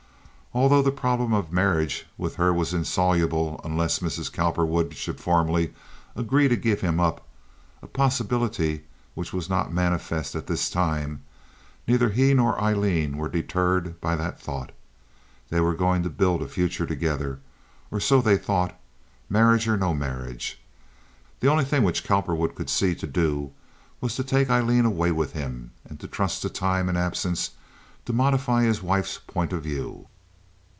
Although the problem of marriage with her was insoluble unless Mrs. Cowperwood should formally agree to give him up—a possibility which was not manifest at this time, neither he nor Aileen were deterred by that thought. They were going to build a future together—or so they thought, marriage or no marriage. The only thing which Cowperwood could see to do was to take Aileen away with him, and to trust to time and absence to modify his wife's point of view.